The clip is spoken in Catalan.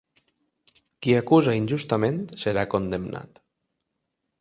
Qui acusa injustament serà condemnat.